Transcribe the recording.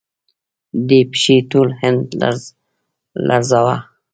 دې پیښې ټول هند لړزاوه.